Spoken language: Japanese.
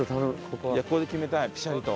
ここで決めたいピシャリと。